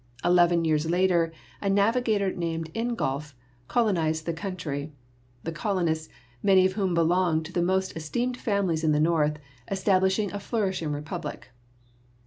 Eleven years later a navigator named Ingolf colo nized the country, the colonists, many of whom belonged to the most esteemed families in the north, establishing a flourishing republic.